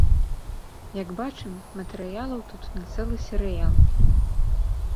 Як бачым, матэрыялаў тут на цэлы серыял.